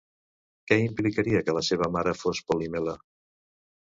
Què implicaria que la seva mare fos Polimela?